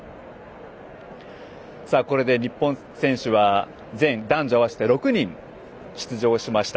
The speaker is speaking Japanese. これで日本選手は全男女合わせて６人出場しました。